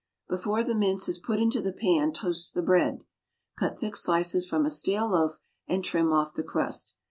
Before the mince is put into the pan, toast the bread. Cut thick slices from a stale loaf, and trim off the crust.